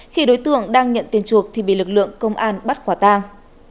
khi đối tượng đang nhận tiền chuộc thì bị lực lượng công an bắt quả tang